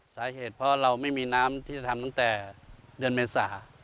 สาเหตุเพราะเราไม่มีน้ำที่จะทำตั้งแต่เดือนเมษา